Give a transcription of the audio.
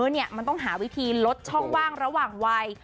มันต้องหาวิธีลดช่องว่างระหว่างวัย